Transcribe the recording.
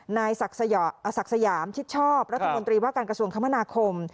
นายศักดิ์สยามชิดชอบรัฐมนตรีว่าการกระทรวงคมนาคม